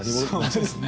そうですね。